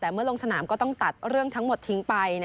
เมื่อลงสนามก็ต้องตัดทั้งหมดทิ้งไป